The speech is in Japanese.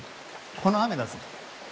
この雨だぞ？